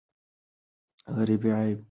غریبې عیب نه دی.